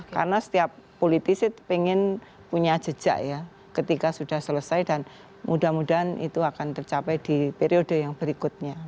karena setiap politisi pengen punya jejak ya ketika sudah selesai dan mudah mudahan itu akan tercapai di periode yang berikutnya